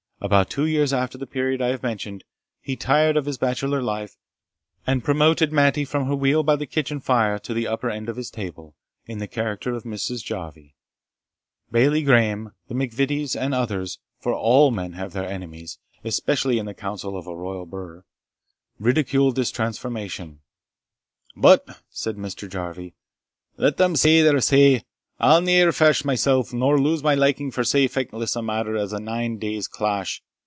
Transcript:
About two years after the period I have mentioned, he tired of his bachelor life, and promoted Mattie from her wheel by the kitchen fire to the upper end of his table, in the character of Mrs. Jarvie. Bailie Grahame, the MacVitties, and others (for all men have their enemies, especially in the council of a royal burgh), ridiculed this transformation. "But," said Mr. Jarvie, "let them say their say. I'll ne'er fash mysell, nor lose my liking for sae feckless a matter as a nine days' clash.